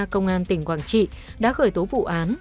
công an tỉnh quảng trị đã khởi tố vụ án